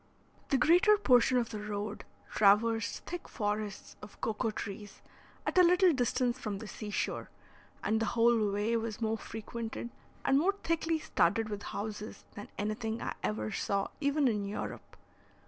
The greater portion of the road traversed thick forests of cocoa trees, at a little distance from the sea shore, and the whole way was more frequented and more thickly studded with houses than anything I ever saw even in Europe.